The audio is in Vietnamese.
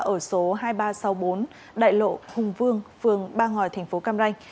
ở số hai nghìn ba trăm sáu mươi bốn đại lộ hùng vương phường ba ngòi tp cam ranh